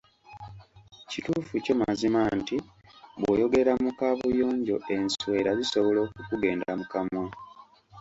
Kituufu kyo mazima nti bw’oyogerera mu kaabuyonjo enswera zisobola okukugenda mu kamwa.